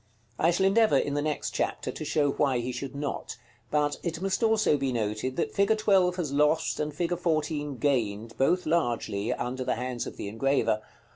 I shall endeavor, in the next chapter, to show why he should not; but it must also be noted, that fig. 12 has lost, and fig. 14 gained, both largely, under the hands of the engraver.